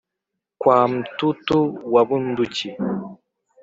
kwa mtutu wa bunduki